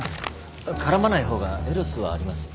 絡まない方がエロスはありますよ。